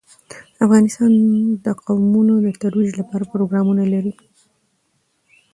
افغانستان د قومونه د ترویج لپاره پروګرامونه لري.